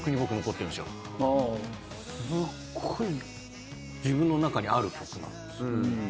すっごい自分の中にある曲なんですよ。